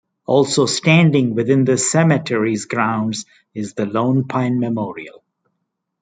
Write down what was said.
Also standing within the cemetery's grounds is the Lone Pine memorial.